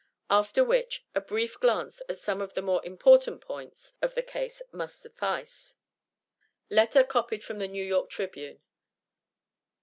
After which, a brief glance at some of the more important points of the case must suffice. LETTER COPIED FROM THE NEW YORK TRIBUNE.